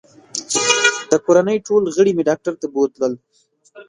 د کورنۍ ټول غړي مې ډاکټر ته بوتلل